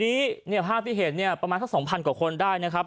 ทีนี้ภาพที่เห็นประมาณถึง๒๐๐๐กว่าคนได้นะครับ